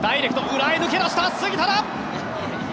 裏へ抜け出した、杉田だ！